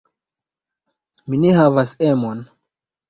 Mi ne havas emon.